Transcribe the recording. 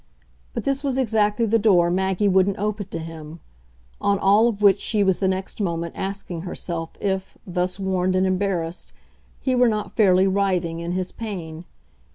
But this was exactly the door Maggie wouldn't open to him; on all of which she was the next moment asking herself if, thus warned and embarrassed, he were not fairly writhing in his pain.